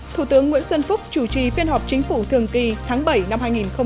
thủ tướng nguyễn xuân phúc chủ trì phiên họp chính phủ thường kỳ tháng bảy năm hai nghìn một mươi chín